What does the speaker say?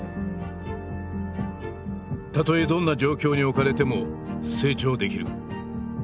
「たとえどんな状況に置かれても成長できる」